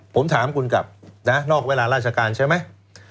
ผมถามคุณกลับนะนอกเวลาราชการใช่ไหม